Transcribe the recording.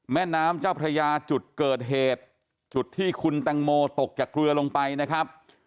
แม่น้ำเจ้าพระยาจุดเกิดเหตุจุดที่คุณแตงโมตกจากเรือลงไปนะครับ